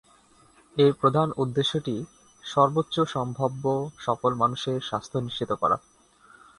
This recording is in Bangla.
এর প্রধান উদ্দেশ্যটি "সর্বোচ্চ সম্ভাব্য সকল মানুষের স্বাস্থ্য নিশ্চিত করা"।